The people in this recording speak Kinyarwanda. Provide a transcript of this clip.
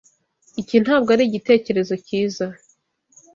Iki ntabwo ari igitekerezo cyiza.